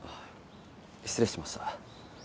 失礼しました。